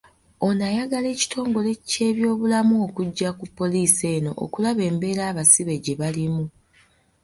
Ono ayagala ekitongole ky'ebyobulamu okujja ku poliisi eno okulaba embeera abasibe gye balimu.